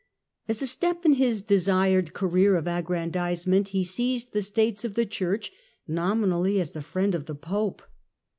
As a step in his desired career of aggrandise ment, he seized the States of the Church, nominally as the friend of the Pope.